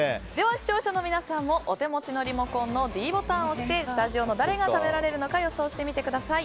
視聴者の皆さんもお手持ちのリモコンのｄボタンを押してスタジオの誰が食べられるのか予想してみてください。